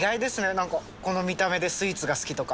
何かこの見た目でスイーツが好きとか。